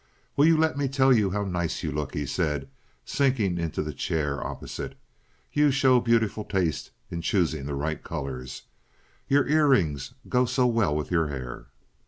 "Will you let me tell you how nice you look?" he said, sinking into the chair opposite. "You show beautiful taste in choosing the right colors. Your ear rings go so well with your hair."